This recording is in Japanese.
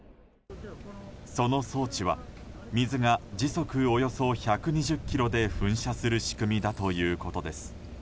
その装置は、水が時速およそ１２０キロで噴射する仕組みだということです。